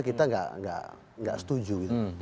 kita gak setuju